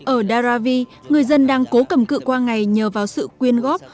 ở daravi người dân đang cố cầm cự qua ngày nhờ vào sự quyên góp